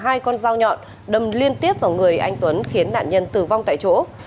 hai con dao nhọn đâm liên tiếp vào người anh tuấn khiến nạn nhân tử vong tại chỗ